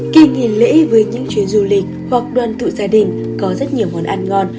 kỳ nghỉ lễ với những chuyến du lịch hoặc đoàn tụ gia đình có rất nhiều món ăn ngon